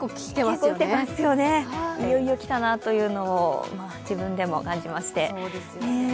いよいよ来たなというのを自分でも感じまして。